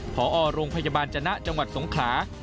พอโรงพยาบาลจนะจังหวัดสงขลา